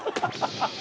アハハハ。